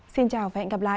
xin chào và hẹn gặp lại